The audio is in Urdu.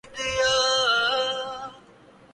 بہرحال واپس لوٹیں گے۔